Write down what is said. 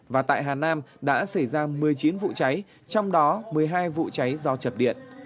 và tại hà nam đã xảy ra một mươi chín vụ cháy trong đó một mươi hai vụ cháy do chập điện